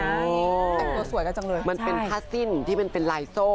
แต่งตัวสวยกันจังเลยมันเป็นผ้าสิ้นที่เป็นเป็นลายโซ่